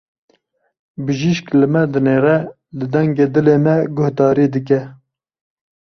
Bijîşk li me dinêre, li dengê dilê me guhdarî dike.